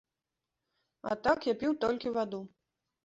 А так, я піў толькі ваду.